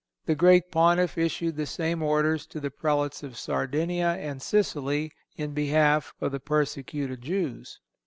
The great Pontiff issued the same orders to the Prelates of Sardinia and Sicily in behalf of the persecuted Jews.